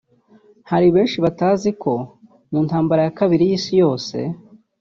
Hari benshi batazi ko mu ntambara ya kabiri y’isi yose